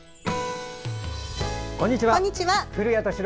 こんにちは。